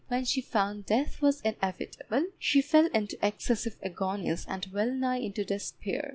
When she found death was inevitable, she fell into excessive agonies and well nigh into despair.